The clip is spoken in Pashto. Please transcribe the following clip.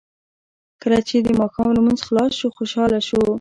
کله چې د ماښام لمونځ خلاص شو خوشاله شو.